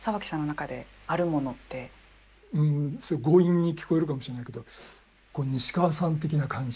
すごく強引に聞こえるかもしれないけど西川さん的な感じ。